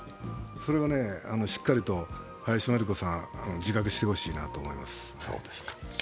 それがしっかりと林真理子さん、自覚してほしいと思います。